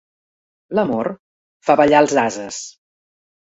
L'amor fa ballar els ases.